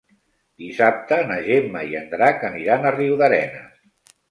Dissabte na Gemma i en Drac aniran a Riudarenes.